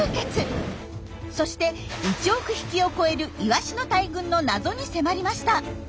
そして１億匹を超えるイワシの大群の謎に迫りました。